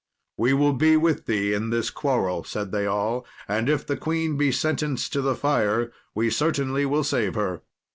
"We will be with thee in this quarrel," said they all; "and if the queen be sentenced to the fire, we certainly will save her."